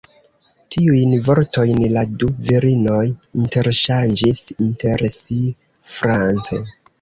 Tiujn vortojn la du virinoj interŝanĝis inter si france.